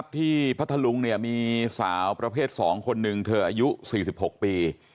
ที่พระทะลุงมีสาวประเภท๒คนนึงเธออายุ๔๖ปี